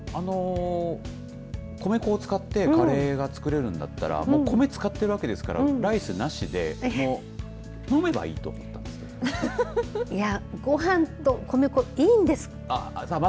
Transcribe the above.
米粉を使ってカレーが作れるんだったら米、使っているわけですからライスなしでごはんと米粉、いいんです。